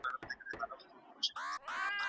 ایا ستا په کلي کې سړک پاخه دي؟